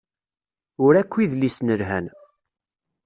Ur akk idlisen lhan.